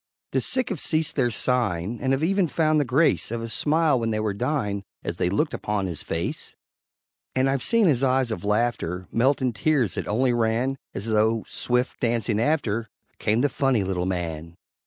The sick have ceased their sighing, And have even found the grace Of a smile when they were dying As they looked upon his face; And I've seen his eyes of laughter Melt in tears that only ran As though, swift dancing after, Came the Funny Little Man.